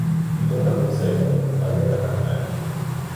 இந்த உணர்வும் செயல்முறையும் வரவேற்கத்தக்கன!